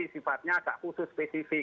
sifatnya agak khusus spesifik